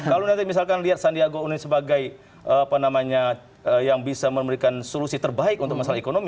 kalau nanti misalkan lihat sandiaga uno sebagai apa namanya yang bisa memberikan solusi terbaik untuk masalah ekonomi